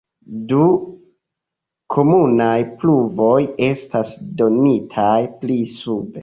Du komunaj pruvoj estas donitaj pli sube.